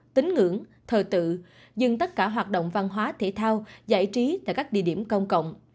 tính ngưỡng thờ tự dừng tất cả hoạt động văn hóa thể thao giải trí tại các địa điểm công cộng